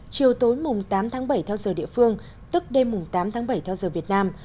chiều tối mùng tám tháng bảy theo giờ địa phương tức đêm tám tháng bảy theo giờ việt nam